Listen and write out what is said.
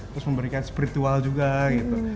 terus memberikan spiritual juga gitu